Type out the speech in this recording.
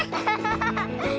ハハハハ。